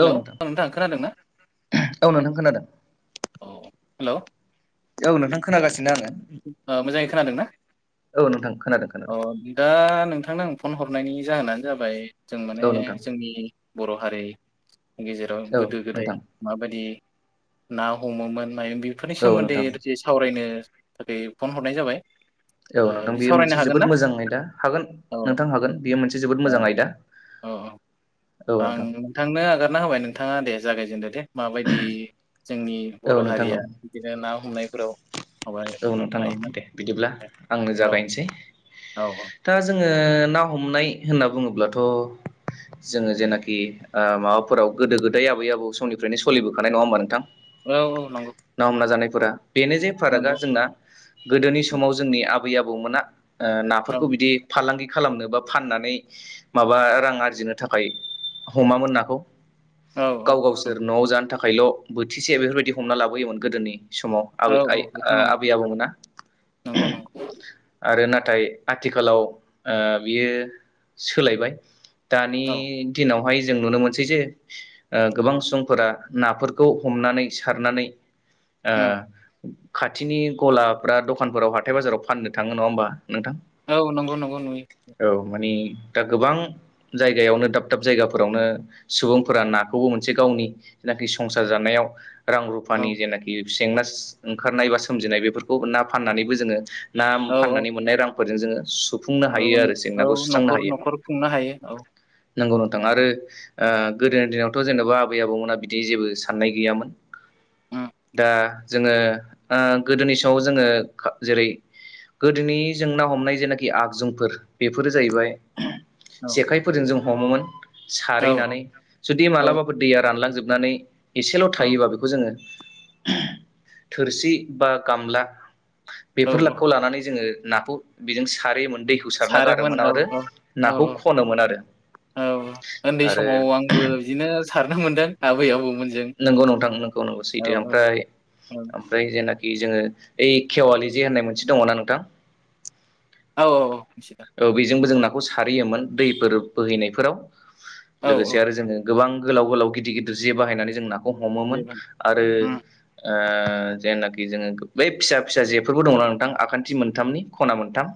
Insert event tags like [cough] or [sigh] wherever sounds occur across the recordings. Hello ओं नोंथां खोनादोंना औ नोंथां खोनादों औ हेल' औ नोंथां खोनागासिनो आङो ओ मोजाङै खोनादोंना औ नोंथां खोनादों अ खोनादों दा नोंथांनो आं फन हरनायनि जाहोनानो जाबाय जों माने औ नोंथां जोंनि बर हारि गेजेराव औ गोदो गोदाय नोंथां माबायदि ना हमोमोन फ्राय बेफोरनि औ सोमोन्दै नोंथां दसे सावरायनो थाखाय फन हरनाय जाबाय औ ओ नोंथां बिदि बेयो सावरायनो मोनसे हागोन ना जोबोद मोजां आयदा हागोन औ नोंथां हागोन बेयो मोनसे जोबोद औ मोजां आयदा औ औ औ आं नोंथां नोंथांनो आगारना होबाय नोंथाङा दे जागायजेनदो दे माबायदि जोंनि औ बर' नोंथां औ हारिया बिदिनो ना हमनायफोराव माबा औ नोंथां औ लायोमोन दे बिदिब्ला आंनो औ जागायनोसै औ दा जों आङो ना हमनाय होनना बुङोब्लाथ' जोङो जेनाखि ओ माबाफोराव गोदो गोदाय आबै आबौ समनिफ्रायनो सोलिबोखानाय नङा होमबा नोंथां औ औ नंगौ फोरा बेनो जे फारागआ नंगौ जोंना गोदोनि औ समाव जोंनि आबै आबौमोना ओ औ नाफोरखौ बिदि फालांगि खालामनो बा फाननानै माबा रां आरजिनो थाखाय हमामोन नाखौ औ गाव गावसोर नआव जानो थाखायल बोथिसे बेफोरबायदि हमना लाबोयोमोन गोदोनि समाव औ आबै औ आइ ओ बेथ' नंगौ आबै आबौमोना नंगौ नंगौ आरो नाथाय आथिखालाव ओ बियो सोलायबाय दानि औ दिनाव बेहाय जों नुनो मोनसै जे ओ गोबां सुबुंफोरा नाफोरखौ हमनानै सारनानै ओ उम खाथिनि गलाफ्रा दखानफोराव हाथाय बाजाराव फाननो थाङो नङा होमबा नोंथां औ नंगौ नंगौ नुयो औ माने दा गोबां जायगायावनो दाब दाब जायगाफोरावनो सुबुंफोरा नाखौबो मोनसे गावनि जेनाखि संसार जानायाव रां औ रुफानि जेनाखि जेंनास ओंखारनाय बा सोमजिनाय बेफोरखौ ना फाननानैबो जोङो ना औ फाननानै मोननाय रांफोरजों जोङो सु फुंनो औ हायो आरो औ जेंनाखौ सुस्रांनो न'खर हायो न'खर खुंनो हायो औ नोंगौ नोंथां आरो ओ गोदोनि दिनावथ' जेनबा आबै आबौमोना बिदि जेबो साननाय गैयामोन उम दा जोङो ओ गोदोनि समाव जोङो जेरै गोदोनि जों ना हमनाय जेनाखि आगजुफोर बेफोरो जाहैबाय औ जेखाइफोरजों जों हमोमोन औ औ सारहैनानै जुदि औ मालाबाफोर दैया रानलांजोब नानै एसेल' औ थायोबा बेखौ जोङो थोरसि बा गामला औ औ बेफोरखौ लानानै जोङो नाखौ बेजों सारहैयोमोन। दैखौ सारना सारोमोन गारोमोन औ आरो औ औ नाखौ औ खनोमोन आरो। औ ओन्दै आरो समाव आंबो बिदिनो सारनो मोनदों आबै आबौ नोंगौ नोंथां नोंगौ नोंगौ सैथो ओमफ्राय औ ओमफ्राय जेना खि जोंङो ओइ खेवालि जे होननाय मोनसे दङना नोंथां? औ औ औ। मिथिदों औ बेजोंबो जों नाखौ सारहैयोमोन दैफोर बोहैनायफोराव औ लोगोसे औ आरो जोङो। गोबां गोलाव गोलाव गिदिर गिदिर जे बाहायनानै जों नाखौ हमोमोन बेबाय आरो औ ओह जेनाखि जोङो बै फिसा फिसा जेफोरबो दंना नोंथां आखान्थि मोनथामनि ख'ना मोनथाम।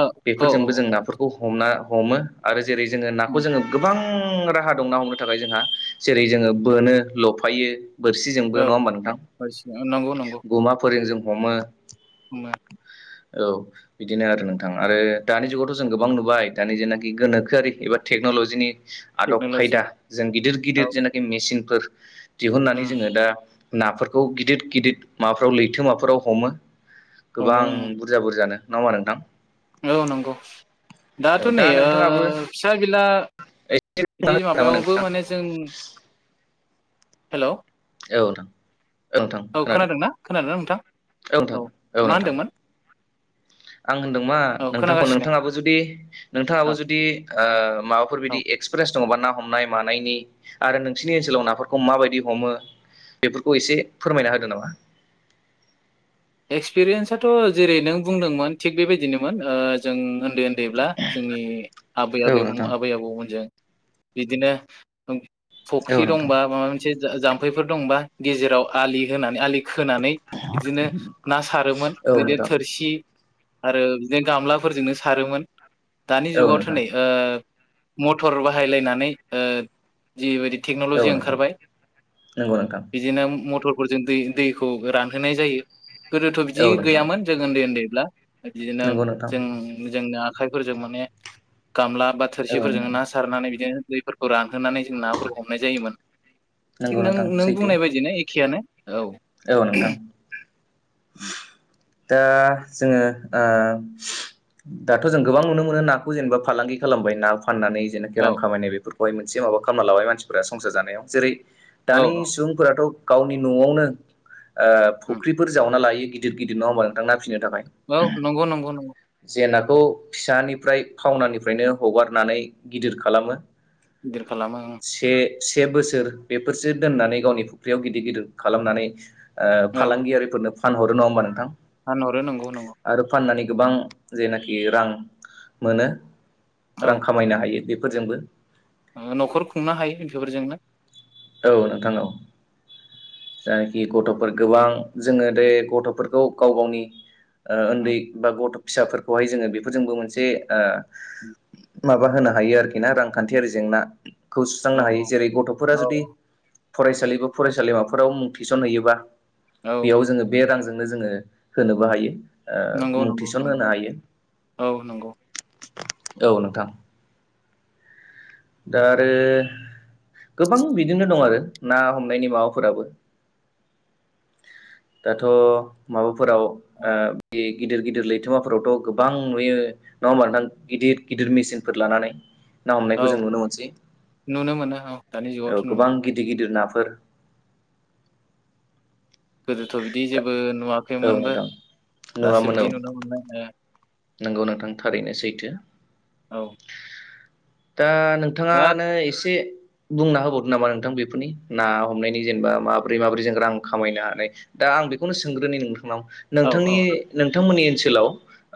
औ औ बेफोरजोंबो औ जों नाफोरखौ हमना हमो आरो जेरै जोङो नाखौ उम जोङो गोबां बां राहा दं ना हमनो थाखाय जोंहा जेरै जोङो बोनो, लफायो बोरसिजोंबो औ नङा होमबा नोंथां बायदिसिना गुमा फोरजों जों हमो। हमो औ बिदिनो आरो नोंथां आरो दानि जुगावथ' जों गोबां नुबाय दानि जेनाखि गोनोखोआरि एबा टेक्नलजिनि आदब टेक्न'ल'जि खायदा जों गिदिर औ गिदिर जेनाखि मेसिनफोर दिहुननानै उम जोङो दा नाफोरखौ गिदिर गिदिर माबाफ्राव लैथोमाफोराव हमो गोबां हमो बुरजा बुरजानो। नङा होमबा नोंथां? औ नंगौ दाथ' औ नै दा ओह नोंथाङाबो फिसा बिला एसे बुंना बिदि होदो नामा माबायावबो नोंथां माने जों, हेल'। औ नोंथां। औ खोनादों ना खोनादोंना नोंथां? औ नोंथां औ मा नोंथां। होनदोंमोन [inaudible] आं होनदों मा औ नोंथांखौ खोनागासिनो नोंथाङाबो जुदि नोंथाङाबो औ जुदि ओह माबाफोर औ बिदि एक्सपि येन्स दङ'बा ना हमनाय मानायनि आरो नोंसिनि ओनसोलाव नाफोरखौ माबायदि हमो। बेफोरखौ एसे फोरमायना होदो नामा? एक्सपिरियेन्साथ' जेरै नों बुंदोंमोन थिक बेबायदिनोमोन ओह जों। उन्दै उन्दैब्ला जोंनि आबै औ आबै नोंथां आबै आबौमोनजों। बिदिनो औ फुख्रि नोंथां दंबा माबा मोनसे जाम्फैफोर दंबा गेजेराव आलि होनानै आलि खोनानै बिदिनो ना सारोमोन औ बिदि नोंथां थोरसि आरो बिदिनो गामलाफोरजोंनो सारोमोन। दानि औ जुगावथ' नोंथां नै ओह मटर बाहायलायनानै ओ जिबायदि औ टेक्नलजि नोंथां ओंखारबाय नंगौ नोंथां बिदिनो मथर फोरजों दै दैखौ रानहोनाय जायो गोदोथ' बिदि औ नोंथां गैयामोन जों ओन्दै ओन्दैब्ला। बिदिनो नंगौ नोंथां जों जोंनो आखाइफोरजों माने गामला बा औ थोरसिफोरजों नोंथां ना सारनानै बिदिनो दैफोरखौ रानहोनानै जों नाफोरखौ हमनाय जायोमोन। नंगौ थिक नों नोंथां नों सैथो बुंनाय बायदिनो एखेआनो औ। उम। दा जोङो ओ दाथ' जों गोबां नुनो मोनो नाखौ जेनेबा फालांगि खालामबाय ना फाननानै जेनाखि औ रां खामायनाय बेफोरखौहाय मोनसे माबा खालामना लाबाय मानसिफोरा संसार जानायाव जेरै औ दानि सुबुंफोराथ' गावनि न'आवनो ओ उम फख्रिफोर जावना लायो गिदिर गिदिर नङा होमबा नोंथां ना फिसिनो थाखाय औ नंगौ नंगौ नंगौ। जे नाखौ फिसानिफ्राय फावनानिफ्रायनो हगारनानै गिदिर खालामो। गिदिर खालामो औ। से से बोसोर बेफोरसो दोननानै गावनि फुख्रियाव गिदिर गिदिर खालामनानै ओ औ फालांगियारिफोरनो फानहरो नङा होमबा नोंथां? फानहरो नंगौ नंगौ। आरो फाननानै गोबां जेनाखि रां मोनो रां खामायनो हायो बिफ फोरजोंबो अ न'खर खुंनो हायो इफोर जोंनो औ नोंथां औ। जायखि गथ'फोर गोबां जोङो दे गथ'फोरखौ गाव गावनि ओ ओन्दै बेफोरजोंनो बा गथ' फिसाफोरखौहाय जोङो बेफोरजोंबो मोनसे ओ उम माबा होनो हायो आरोखि ना रांखान्थियारि जेंनाखौ औ सुस्रांनो हायो जेरै गथ'फोरा औ जुदि फरायसालिबो फरायसालिमाफोराव मुं थिसनहैयोबा औ बेयाव जोङो बे रांजो जोंनो जो‌‌ङो होनोबो हायो। नंगौ ओ मुं नंगौ थिसन नंगौ होनो हायो औ नंगौ औ नोंथां। दा आरो गोबां बिदिनो दं आरो ना हमनायनि माबाफोराबो दाथ' माबाफोराव औ ओ बेग गिदिर गिदिर लैथोमाफोरावथ' गोबां नुयो नङा होमबा नोंथां गिदिर गिदिर मेचिनफोर लानानै ना औ हमनायखौ जों नुनो मोनसै नुनो मोनो औ दानि औ जुगावथ' नुनो गोबां मोनबाय गिदिर गिदिर नाफोर गोदोथ' बिदि जेबो औ नुवाखैमोनबो नोंथां दासो बिदि नुनो मोनबाय ओ नोंगौ नोंथां थारैनो सैथो। औ दा दा नोंथाङानो एसे बुंना होबावदो नामा नोंथां बेफोरनि ना हमनायनि जेनेबा माब्रै माबोरै जों रां खामायनो हानाय दा आं बेखौनो सोंग्रोनि नोंथांनाव औ नोंथांनि औ नोंथांमोननि ओनसोलाव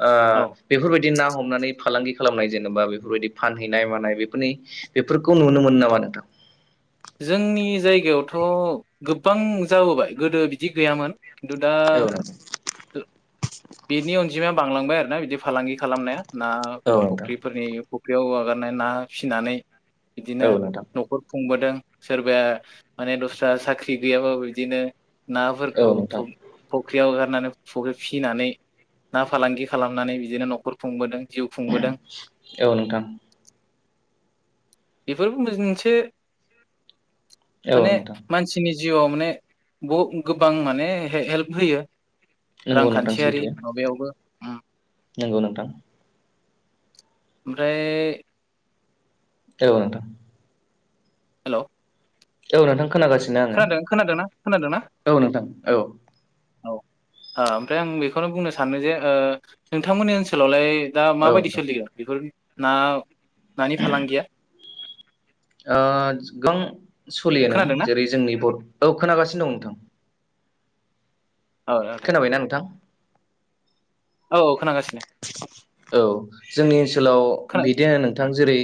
ओ औ बेफोरबायदि ना हमनानै फालांगि खालामनाय जेनेबा बेफोरबायदि फानहैनाय मानाय बेफोरनि बेफोरखौ नुनो मोनो नामा नोंथां? जोंनि जायगायावथ' गोबां जाबोबाय गोदो बिदि गैयामोन। खिन्थु दा औ नोंथां गो बेनि अन्जिमाया बांलांबाय आरो ना बिदि फालांगि खालामनाया ना औ नोंथां फुख्रिफोरनि फख्रियाव आगारनाय ना फिसिनानै बिदिनो न'खर खुंबोदों। सोरबाया माने दस्रा साख्रि गैयाबा बिदिनो औ नाफोरखौ नोंथां फख फख ख्रियाव हगारनानै फुख्रि फिसिनानै ना फालांगि खालामनानै बिदिनो न'खर खुंबोदों। जिउ खुंबोदों औ नोंथां। बेफोरबो [unintelligible] से औ माने नोंथां मानसिनिज जिउआव माने बहु गोबां माने हे-हेल्प होयो। नंगौ नोंथां रांखान्थियारि सैथो माबायावबो उम नंगौ नोंथां ओमफ्राय औ नोंथां। हेल' औ नोंथां खोनागासिनो आङो। खोनादों खोनादोंना खोनादोंना खोनादों? औ नोंथां औ। औ हो ओमफ्राय आं बेखौनो बुंनो सानो जे ओ नोंथांमोननि ओनसोलावलाय दा औ माबायदि नोंथां सोलियो बेफोर ना नानि फालांगिया? ओह [inaudible] सोलियो [inaudible] खोनादोंना जेरै जोंनि [inaudible] औ खोनागासिनो दं नोंथां। औ दे खोनाबायना‌ नोंथां? औ खोनागासिनो औ जोंनि ओनसोलाव खोना बिदिनो नोंथां जेरै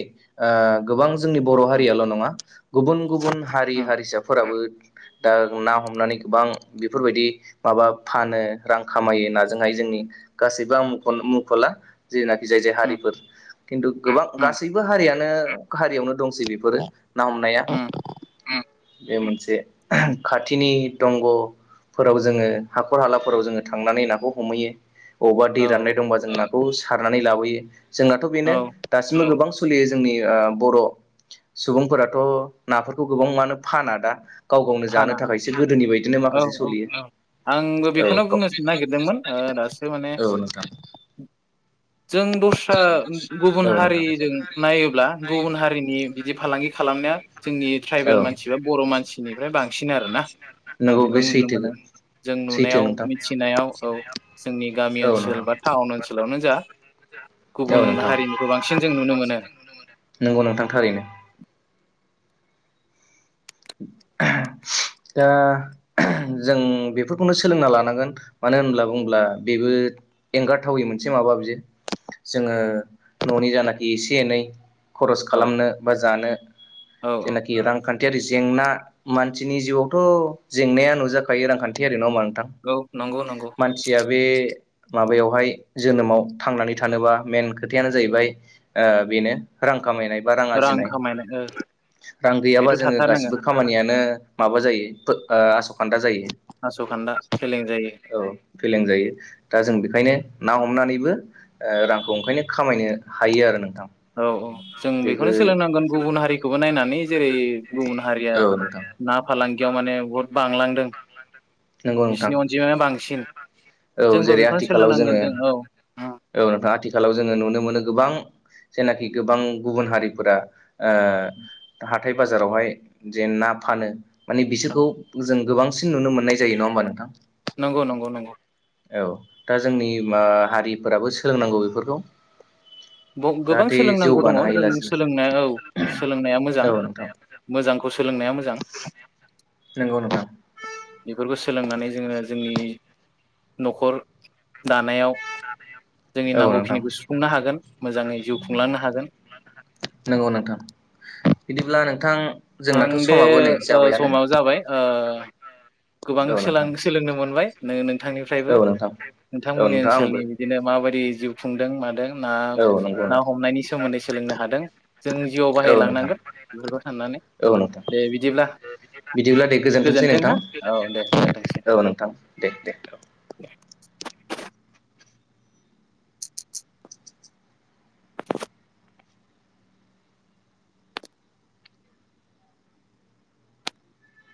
ओह गोबां जोंनि बर' उम हारियाल' नङा गुबुन गुबुन हारि उम हारिसाफोराबो दा ना हमनानै गोबां बेफोरबायदि माबा फानो रां खामायो नाजोंहाय नि गासैबो आं मुंखन मुंख'ला जेनाखि जाय जाय उम हारिफोर खिन्थु गोबां उम गासैबो हारियानो हारियावनो दंसै बेफोरो ना हमनाया उम उम बे मोनसे खाथिनि दंग' फोराव जोङो हाखर हालाफोराव जोङो थांनानै नाखौ हमहैयो। बबावबा दै राननाय औ दंबा जों नाखौ सारनानै लाबोयो जोंनाथ' बेनो औ दासिमबो गोबां सोलियो जोंनि ओ बर' सुबुंफोराथ' नाफोरखौ गोबां मानो फाना दा। गाव-गावनो फाना जानो थाखायसो गोदोनि बायदिनो औ माखासे औ औ सलियो। आंबो बेखौनो बुंनो नागिरदोंमोन दासो माने औ नोंथां जों दस्रा गुबुन औ नोंथां हारिजों नायोब्ला गुबुन हारिनि बिदि फालांगि खालाम नाया जोंनि ट्राइबेल मानसि बा बर' मानसिनिफ्राय बांसिन आरोना आं नंगौ बे बेखौनो नुनो सैथो मोनो जों सैथो नुनायाव नोंथां मिथिनायाव औ जोंनि गामि औ नोंथां ओनसोल बा टाउन ओनसोलावनो जा। औ गुबुन नोंथां हारिनिखौ बांसिन जों नुनो मोनो नंगौ नोंथां थारैनो [unintelligible] दा जों बेफोरखौनो सोलोंना लानांगोन मानो होनब्ला बुङोब्ला बेबो एंगारथावै मोनसे से माबा बियो जोङो न'नि जानाखि एसे एनै खरस औ खालामनो बा जानो औ औ जेनाखि रांखान्थियारि जेंना मानसिनि जिउआवथ' जेंनाया नुजाखायो रांखान्थियारि नङाहोमबा नों थां औ नंगौ नंगौ मानसिया बे माबायावहाय जोनोमाव थांनानै थानोबा मेन खोथायानो जाहैबाय बेनो रां। खामनाय बा रां आरजिनाय खामायनाय ओ रां गैयाबा बेथ' जोङो गासै थाथारनांगोन खामानियानो माबा जायो आस'खान्दा जायो। आस'खान्दा फेलें जायो औ फेलें जायो दा जों बेखायनो ना हमनानैबो ओ रांखौ ओंखायनो खामायनो हायो आरो नों औ-औ जों बेखौनो सोलोंनांगोन गुबुन हारिखौबो नायनानै जेरै गुबुन हारिया औ नोंथां ना फालांगियाव माने बहुत बांलांदों। नंगौ नोंथां बिसिनि अनजिमाया बांसिन औ जोंबो जेरै बेखौनो आथिखालाव सोलोंनांगोन जोङो जों औ। औ नोंथाङा आथिखालाव जोङो नुनो मोनो गोबां जेनाखि गोबां गुबुन हारिफोरा ओ हाथाय बाजारावहाय जे ना फानो माने बिसोरखौ जों गोबांसिन नुनो मोननाय जायो नङा होनबा नोंथां। नंगौ नंगौ नंगौ औ दा जोंनि मा हारिफोराबो सोलोंनांगौ बेफोरखौ। गोबां जाहाथे सोलोंनांगौ दङ जौगानो हायो जों लासै लासै सोलोंनाय औ सोलोंनाया मोजां। औ नोंथां मोजांखौ सोलोंनाया मोजां। नोंगौ‌ नोंथां। बेफोरखौ सोलोंनानै जोङो जोंनि न'खर दानायाव जोंनि औ नोंथां नांगौखिनिखौ सुफुंनो हागोन। मोजाङै जिउ खुंलांनो हागोन। नंगौ नोंथां बिदिब्ला नोंथां आं जोंनाथ' दे समाबो नै ओ जाबायानो समाव जाबाय ओ गोबां औ सोलां नोंथां सोलोंनो मोनबाय नो नों औ नोंथांनिफ्रायबो नोंथां औ नोंथांमोननि नोंथां आंबो ओनसोलनि बिदिनो माबायदि जिउ खुंदों मादों? ना औ नंगौ ना नोंथां हमनायनि सोमोन्दै सोलोंनो हादों जों जिउआव औ नोंथां बाहायलांनांगोन बेफोरखौ साननानै। औ नोंथां दे बिदिब्ला। बिदिब्ला दे गोजोनथोंसै गोजोन्थों हो नोंथां। औ दे गोजोनथोंसै औ नोंथां औ दे।